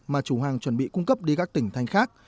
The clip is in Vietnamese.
mà chủ hàng chuẩn bị cung cấp đi các chỗ